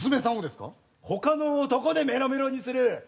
ほかの男でメロメロにする。